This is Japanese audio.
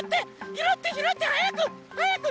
ひろってひろってはやく！